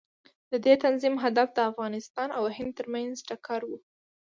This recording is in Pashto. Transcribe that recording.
د دې تنظیم هدف د افغانستان او هند ترمنځ ټکر و.